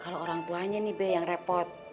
kalau orang tuanya nih b yang repot